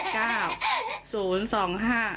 ไม่ถูก